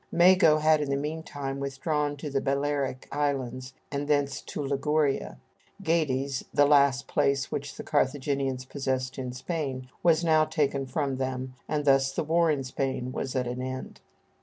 Mago had in the meantime withdrawn to the Balearic Islands, and thence to Liguria. Gades, the last place which the Carthaginians possessed in Spain, was now taken from them, and thus the war in Spain was at an end.